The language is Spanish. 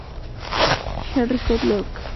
Henry Cabot Lodge, Jr.